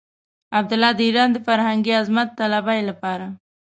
عبدالله د ايران د فرهنګي عظمت طلبۍ لپاره.